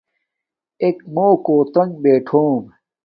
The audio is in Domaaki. ایک مُوکو ترنگ بِٹھوم